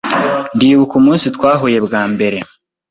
Ndibuka umunsi twahuye bwa mbere.